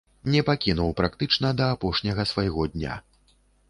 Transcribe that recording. Не пакінуў практычна да апошняга свайго дня.